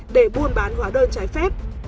để buôn bán hóa đơn trái phép